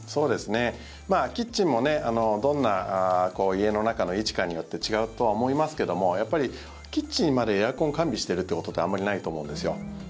キッチンもどんな家の中の位置かによって違うとは思いますけどもやっぱりキッチンまでエアコンを完備してるってことあまりないと思うんですよ。